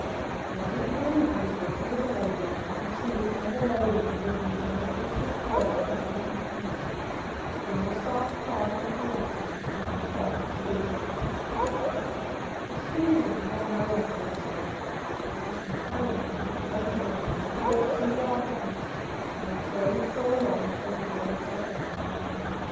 When a young man is walking with a lady, and happens to meet another lady with whom he is on more intimate terms than with his companion, he must ask pardon of the latter if he should stop to speak. [Sidenote: Meeting a more intimate acquaintance when with a lady.] "Excuse me for one moment," he would say, and his companion, if a gentlewoman, would walk some yards on, and then slowly stroll along until he joined her again.